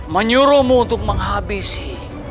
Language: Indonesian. menyuruhmu untuk menghabisi